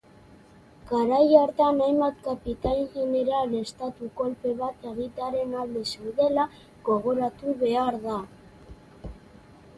Garai hartan hainbat kapitain jeneral estatu-kolpe bat egitearen alde zeudela gogoratu behar da.